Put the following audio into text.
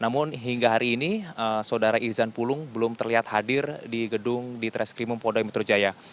namun hingga hari ini saudara irzan pulung belum terlihat hadir di gedung di treskrimum poldai metro jaya